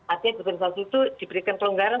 artinya dispensasi itu diberikan pelonggaran